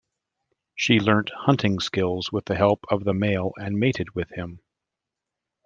She learnt hunting skills with the help of the male and mated with him.